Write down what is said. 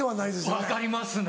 分かりますね！